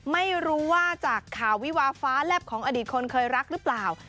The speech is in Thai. ไม่รู้ว่าจากข่าววิวาฟ้าแลบของอดีตคนเคยรักหรือเปล่า